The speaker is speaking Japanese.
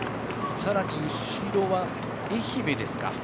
さらに後ろは、愛媛ですか。